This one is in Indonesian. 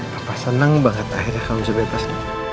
papa senang banget akhirnya kamu disebebas